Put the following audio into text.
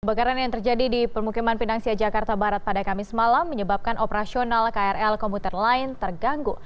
pembakaran yang terjadi di pemukiman pindang sia jakarta barat pada kamis malam menyebabkan operasional krl komuter line terganggu